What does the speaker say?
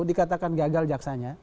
dikatakan gagal jaksanya